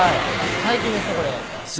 最近ですねこれ。